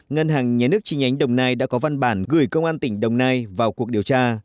ngân hàng nhé nước chi nhánh đồng nai đã có văn bản gửi công an tỉnh đồng nai vào cuộc điều tra